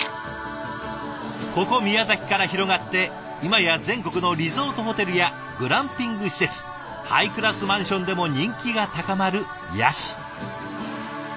ここ宮崎から広がって今や全国のリゾートホテルやグランピング施設ハイクラスマンションでも人気が高まるヤシ。